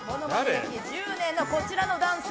歴１０年のこちらの男性。